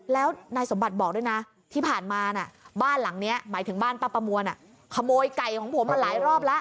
แล้วนายสมบัติบอกด้วยนะที่ผ่านมาบ้านหลังนี้หมายถึงบ้านป้าประมวลขโมยไก่ของผมมาหลายรอบแล้ว